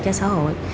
cho xã hội